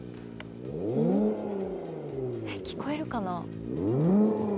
聞こえるかな？